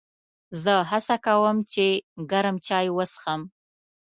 زه هڅه کوم چې ګرم چای وڅښم.